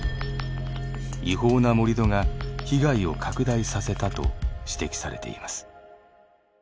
違法な盛り土が被害を拡大させたと指摘されています。